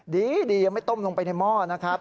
ดียังไม่ต้มลงไปในหม้อนะครับ